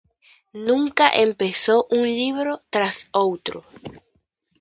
Nunca empezo un libro tras outro.